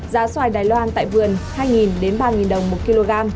giá xoài đài loan tại vườn hai ba đồng một kg